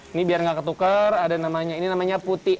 ini biar nggak ketukar ada namanya ini namanya putih